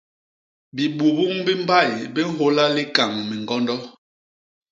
Bibubuñ bi mbay bi nhôla likañ miñgondo.